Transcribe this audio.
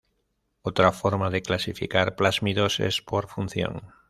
Otra forma de clasificar plásmidos es por función.